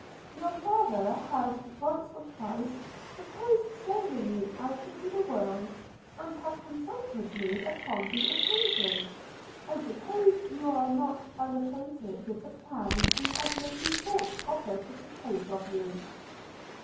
'Your father has once or twice proposed sending you out into the world, and has consulted me upon the occasion. I suppose you are not unacquainted with the plan he has lately thought proper to propose for you.'